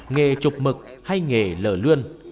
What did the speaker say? nghề trục mực hay nghề lở lươn